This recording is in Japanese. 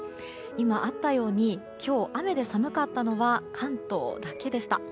今あったように今日、雨で寒かったのは関東だけでした。